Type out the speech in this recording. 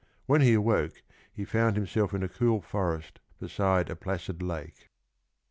When he awoke he found himself in a cool forest beside a placid lake.